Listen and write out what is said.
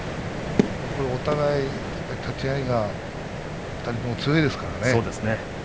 お互いに立ち合いが２人とも強いですからね。